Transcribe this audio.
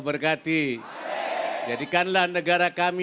negara yang kuat